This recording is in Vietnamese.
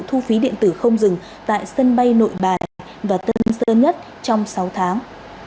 thu phí điện tử không dừng tại sân bay nội bài và tân sơn nhất trong sáu tháng